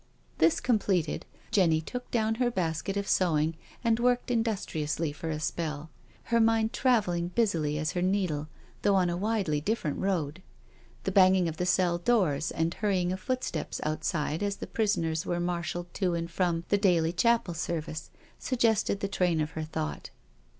This completed, Jenny took down her basket of sewing, and worked industriously for a spell, her mind travelling busily as her needle, though on a widely different road. The banging of the cell doors and hurrying footsteps outside as the prisoners were marshalled to and from the daily chapel service, suggested the train of her thought.